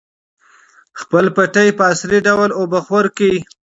خپلې پټۍ په عصري ډول اوبخور کړئ.